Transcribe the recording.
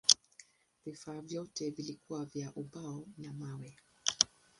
Vifaa vyote vilikuwa vya ubao na mawe.